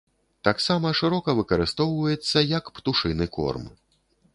Таксама шырока выкарыстоўваецца як птушыны корм.